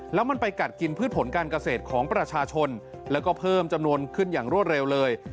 แล้วมันไปกัดกินพืชผลการเกษตรของประชาชนแล้วก็เพิ่มจำนวนขึ้นอย่างรวดเร็วเลย